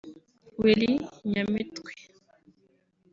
Willy Nyamitwe